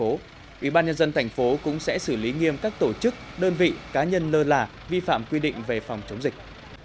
ubnd tp cũng sẽ xử lý nghiêm các tổ chức đơn vị cá nhân nơi là vi phạm quy định về phòng chống dịch